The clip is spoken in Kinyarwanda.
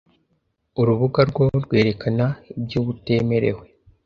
urubuga rwo rwerekana ibyo uba utemerewe